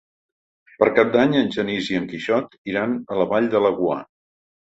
Per Cap d'Any en Genís i en Quixot iran a la Vall de Laguar.